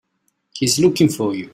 He's looking for you.